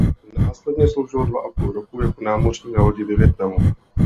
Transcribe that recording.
Následně sloužil dva a půl roku jako námořník na lodi ve Vietnamu.